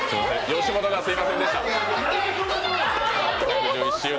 吉本がすみませんでした。